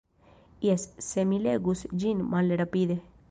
Jes, se mi legus ĝin malrapide.